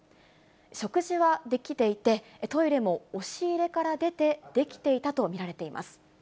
食事はできていて、トイレも押し入れから出て、できていたと見られています。